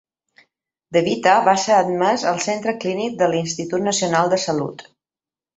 DeVita va ser admès al centre clínic de l'Institut Nacional de Salut.